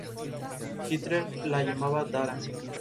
Hitler la llamaba "Dara".